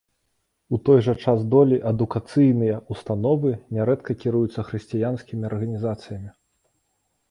У той жа час долі адукацыйныя ўстановы нярэдка кіруюцца хрысціянскімі арганізацыямі.